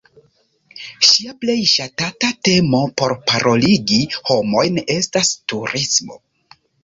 Ŝia plej ŝatata temo por paroligi homojn estas "turismo".